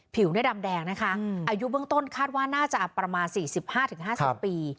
ผิวเนี่ยดำแดงนะคะอายุเบื้องต้นคาดว่าน่าจะประมาณ๔๕๕๐ปี